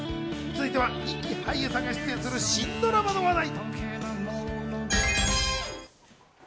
続いては人気俳優さんが出演する新ドラマの話題。